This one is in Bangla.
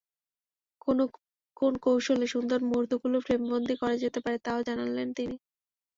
কোন কৌশলে সুন্দর মুহূর্তগুলোকে ফ্রেমবন্দী করা যেতে পারে, তা-ও জানালেন তিনি।